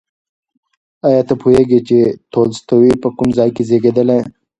ایا ته پوهېږې چې تولستوی په کوم ځای کې زېږېدلی؟